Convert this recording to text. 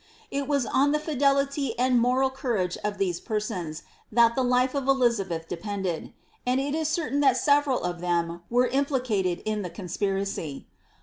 It was on the fidelity and moral courage of these persons, that the life of Elizabeth depended ; and it is certain that several of them were implicated in the conspiracy.